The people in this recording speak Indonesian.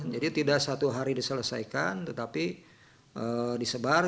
jadi tidak satu hari diselesaikan tetapi disebar